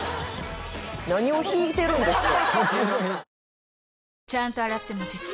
何を引いてるんですか？